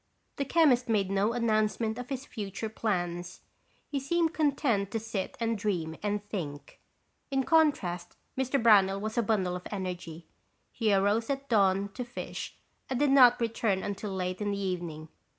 The chemist made no announcement of his future plans. He seemed content to sit and dream and think. In contrast, Mr. Brownell was a bundle of energy. He arose at dawn to fish and did not return until late in the evening.